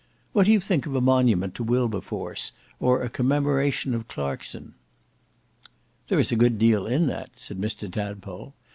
What do you think of a monument to Wilberforce or a commemoration of Clarkson?" "There is a good deal in that," said Mr Tadpole.